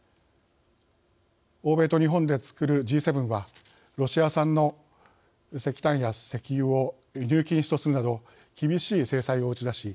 欧米と日本でつくるＧ７はロシア産の石炭や石油を輸入禁止とするなど厳しい制裁を打ち出し